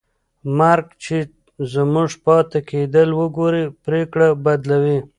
مرګ چې زموږ پاتې کېدل وګوري، پرېکړه بدلوي.